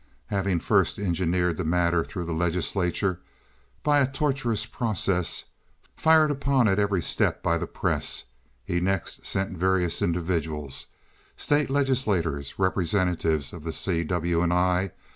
Having first engineered the matter through the legislature by a tortuous process, fired upon at every step by the press, he next sent various individuals—state legislators, representatives of the C. W. & I.